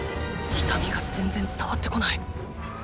痛みが全然伝わってこない！